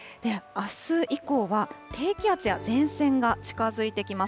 あす以降は、低気圧や前線が近づいてきます。